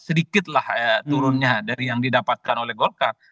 sedikitlah turunnya dari yang didapatkan oleh golkar